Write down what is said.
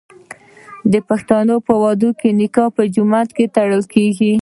د پښتنو په واده کې نکاح په جومات کې تړل کیږي.